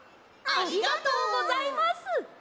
ありがとうございます！